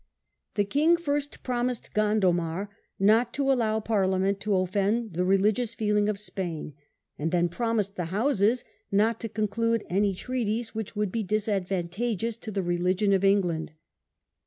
The king first promised Gondomar not to allow Parliament to offend the religious feeling of Spain, and then promised the Houses not to conclude any treaties which would be disadvan tageous to the religion of England